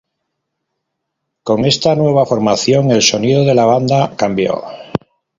Con esta nueva formación el sonido de la banda cambió.